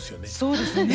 そうですね。